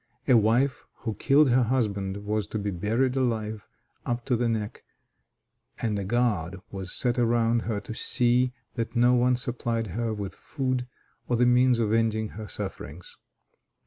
A wife who killed her husband was to be buried alive up to the neck, and a guard was set around her to see that no one supplied her with food or the means of ending her sufferings.